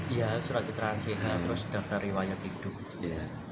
iya surat keterangan sehat terus daftar riwayat hidup juga